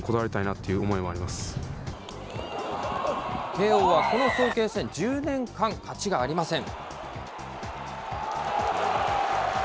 慶応はこの早慶戦、１０年間、勝ちがありません。